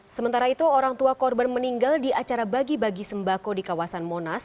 sementara itu orang tua korban meninggal di acara bagi bagi sembako di kawasan monas